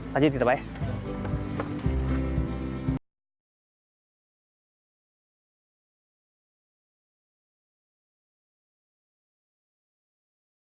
lanjut gitu pak ya